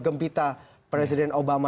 gempita presiden obama